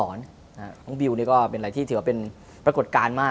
น้องบิวนี่ก็เป็นอะไรที่ถือว่าเป็นปรากฏการณ์มาก